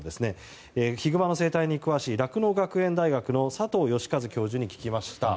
ヒグマの生態に詳しい酪農学園大学の佐藤喜和教授に聞きました。